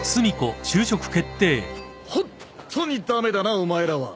ホンットに駄目だなお前らは！